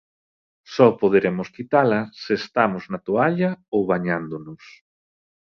Só poderemos quitala se estamos na toalla ou bañándonos.